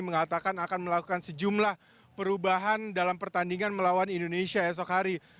mengatakan akan melakukan sejumlah perubahan dalam pertandingan melawan indonesia esok hari